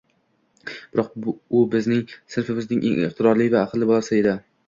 Biroq, u bizning sinfimizning eng iqtidorli va aqlli bolasi edi